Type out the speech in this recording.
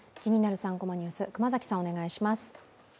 ３コマニュース」、熊崎さん、お願いします。